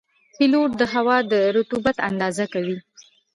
پیلوټ د هوا د رطوبت اندازه کوي.